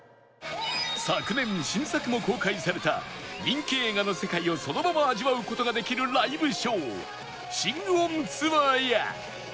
昨年新作も公開された人気映画の世界をそのまま味わう事ができるライブショーシング・オン・ツアーや